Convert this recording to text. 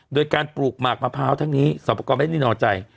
โดยการปลูกหมากมะพร้าวทั้งนี้สอบประกอบไม่ได้นิ่งนอนใจ